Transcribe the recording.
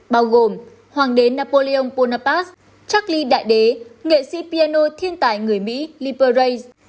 bao gồm hoàng đế napoleon bonaparte charlie đại đế nghệ sĩ piano thiên tài người mỹ lipperay